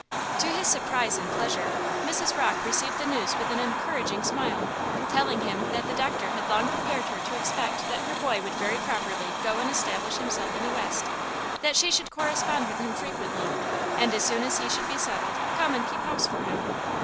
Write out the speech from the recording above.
To his surprise and pleasure, Mrs. Rocke received the news with an encouraging smile, telling him that the doctor had long prepared her to expect that her boy would very properly go and establish himself in the West; that she should correspond with him frequently, and as soon as he should be settled, come and keep house for him.